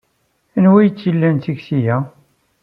Anwa ay tt-ilan tekti-a?